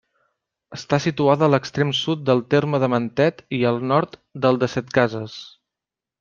Està situada a l'extrem sud del terme de Mentet i al nord del de Setcases.